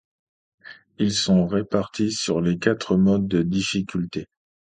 Ils sont répartis sur les quatre modes de difficulté.